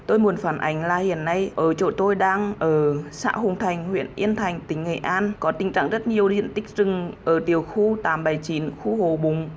ở chỗ tôi đang ở xã hùng thành huyện yên thành tỉnh nghệ an có tình trạng rất nhiều diện tích rừng ở tiểu khu tám trăm bảy mươi chín khu hồ bùng